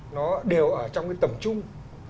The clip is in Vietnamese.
nó đều ở trong cái tầm trung